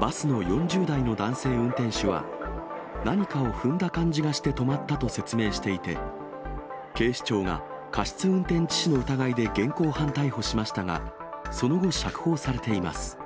バスの４０代の男性運転手は、何かを踏んだ感じがして止まったと説明していて、警視庁が過失運転致死の疑いで現行犯逮捕しましたが、その後、釈放されています。